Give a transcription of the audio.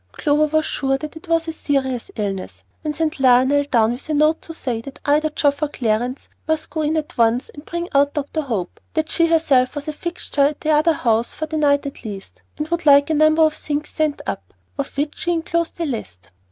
Clover was sure that it was a serious illness, and sent Lionel down with a note to say that either Geoff or Clarence must go in at once and bring out Dr. Hope, that she herself was a fixture at the other house for the night at least, and would like a number of things sent up, of which she inclosed a list.